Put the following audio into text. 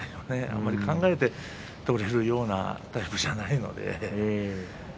あまり考えて取れるようなタイプではないので。